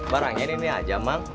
barangnya ini aja mang